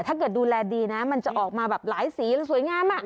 ถ้าเกิดดูแลดีนะมันจะออกมาแบบหลายสีแล้วสวยงาม